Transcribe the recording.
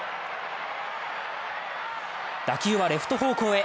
打球はレフト方向へ。